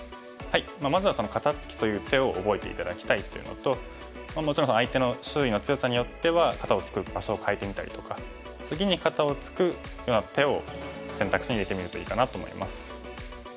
まずは肩ツキという手を覚えて頂きたいというのともちろん相手の周囲の強さによっては肩をツク場所を変えてみたりとか次に肩をツクような手を選択肢に入れてみるといいかなと思います。